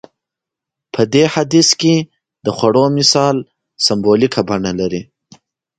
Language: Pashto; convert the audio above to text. په دې حديث کې د خوړو مثال سمبوليکه بڼه لري.